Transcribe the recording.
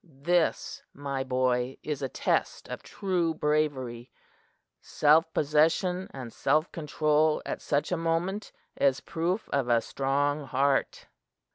This, my boy, is a test of true bravery. Self possession and self control at such a moment is proof of a strong heart.